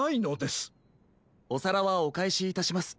おさらはおかえしいたします。